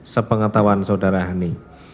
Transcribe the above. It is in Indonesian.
sepengetahuan saudara hani